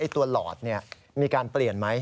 หลอดมีการเปลี่ยนไหม